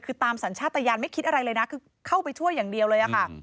คือตามสัญชาติยานไม่คิดอะไรเลยนะคือเข้าไปช่วยอย่างเดียวเลยค่ะ